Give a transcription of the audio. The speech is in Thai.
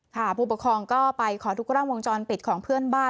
ผู้ปกครองก็ไปขอดูกล้องวงจรปิดของเพื่อนบ้าน